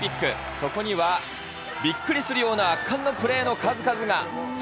そこには、びっくりするような圧巻のプレーの数々が。